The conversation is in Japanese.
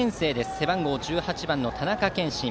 背番号１８番の田中謙心。